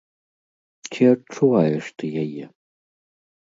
Ці адчуваеш ты яе?